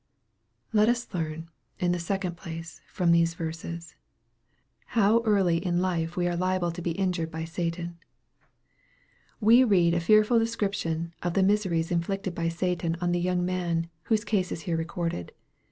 Let us learn, in the second place, from these verses, fo w early in life we are liable to be injured by Satan. We read a fearful description of the miseries inflicted by Satan on the young man, whose case is here recorded.